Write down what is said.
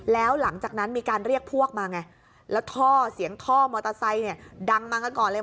แล้วหลังจากนั้นมีการเรียกพวกมาไงแล้วท่อเสียงท่อมอเตอร์ไซค์เนี่ยดังมากันก่อนเลย